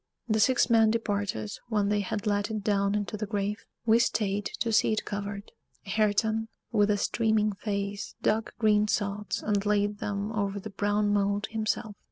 The six men departed when they had let it down into the grave: we stayed to see it covered. Hareton, with a streaming face, dug green sods and laid them over the brown mold himself.